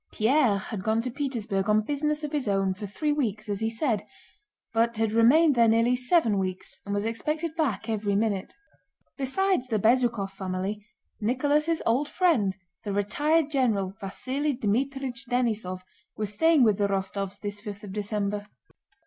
Pierre had gone to Petersburg on business of his own for three weeks as he said, but had remained there nearly seven weeks and was expected back every minute. Besides the Bezúkhov family, Nicholas' old friend the retired General Vasíli Dmítrich Denísov was staying with the Rostóvs this fifth of December.